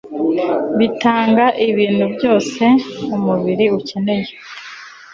bitanga ibintu byose umubiri ukeneye